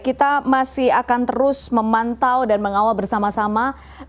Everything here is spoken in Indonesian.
kita masih akan terus memantau dan mengawal bersama sama